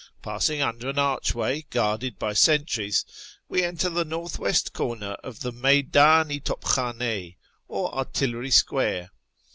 Passing under an archway guarded by sentries, we enter the north west corner of the Mcyddn i TopkhdnS, or Artillery Square.